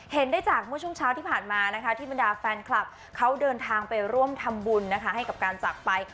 เห็นได้จากเมื่อช่วงเช้าที่ผ่านมานะคะที่บรรดาแฟนคลับเขาเดินทางไปร่วมทำบุญนะคะให้กับการจากไป